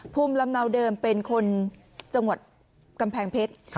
ภูมิลำเนาเดิมเป็นคนจังหวัดกำแพงเพชร